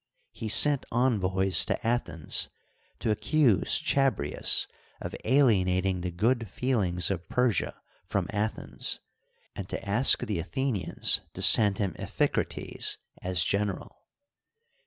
He sent envoys to Athens to accuse Chabrias of alienating the good feelings of Persia from Athens, and to ask the Athenians to send him Iphicrates as general.